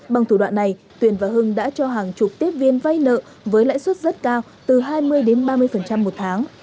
bằng thủ đoạn này tuyền và hưng đã cho hàng chục tiếp viên vay nợ với lãi suất rất cao từ hai mươi đến ba mươi một tháng